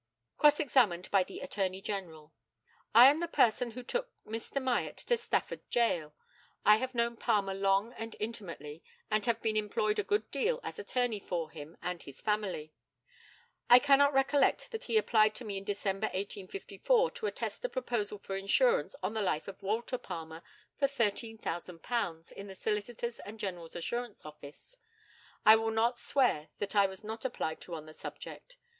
Cross examined by the ATTORNEY GENERAL: I am the person who took Mr. Myatt to Stafford Gaol. I have known Palmer long and intimately, and have been employed a good deal as attorney for him and his family. I cannot recollect that he applied to me in December, 1854, to attest a proposal for insurance on the life of Walter Palmer for £13,000 in the Solicitors' and General Assurance Office. I will not swear that I was not applied to on the subject.